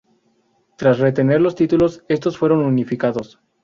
Tras retener los títulos, estos fueron unificados.